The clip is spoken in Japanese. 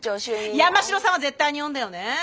山城さんは絶対に呼んでよね！